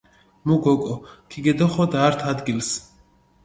მუ გოკო ქიგედოხოდ ართ ადგილს